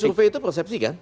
survei itu persepsi kan